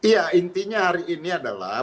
ya intinya hari ini adalah